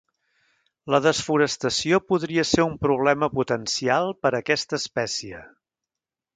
La desforestació podria ser un problema potencial per a aquesta espècie.